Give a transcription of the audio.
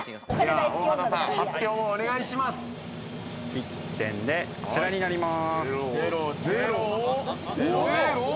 １点で、こちらになります。